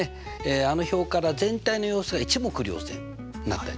あの表から全体の様子が一目瞭然になったりとかね